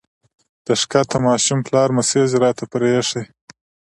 د ښکته ماشوم پلار مسېج راته پرېښی